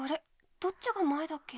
どっちが前だっけ。